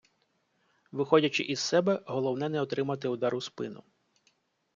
Виходячи із себе, головне не отримати удар у спину.